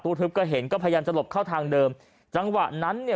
ทึบก็เห็นก็พยายามจะหลบเข้าทางเดิมจังหวะนั้นเนี่ย